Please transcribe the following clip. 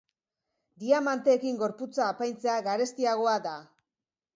Diamanteekin gorputza apaintzea, garestiagoa da.